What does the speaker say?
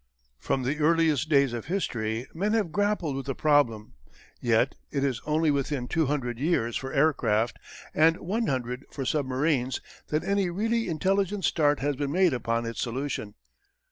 From the earliest days of history men have grappled with the problem, yet it is only within two hundred years for aircraft and one hundred for submarines that any really intelligent start has been made upon its solution.